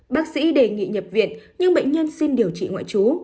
bác sĩ đề nghị nhập viện nhưng bệnh nhân xin điều trị ngoại trú